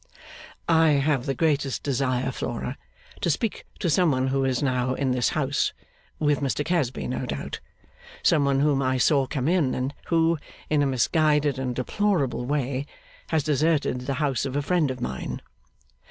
'I have the greatest desire, Flora, to speak to some one who is now in this house with Mr Casby no doubt. Some one whom I saw come in, and who, in a misguided and deplorable way, has deserted the house of a friend of mine.